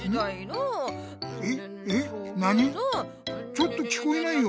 ちょっと聞こえないよ。